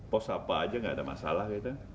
pos apa saja tidak ada masalah